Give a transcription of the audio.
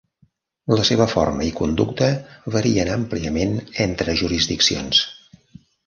La seva forma i conducta varien àmpliament entre jurisdiccions.